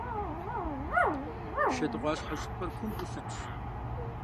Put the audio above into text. Шэдыкъуащхьэ щӏыпӏэр кумбу щытщ.